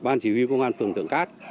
ban chỉ huy công an phường tượng cát